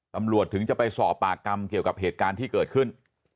ถึงจะไปสอบปากคำเกี่ยวกับเหตุการณ์ที่เกิดขึ้น